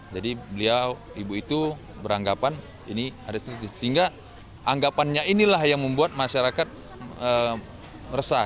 jadi beliau ibu itu beranggapan sehingga anggapannya inilah yang membuat masyarakat meresah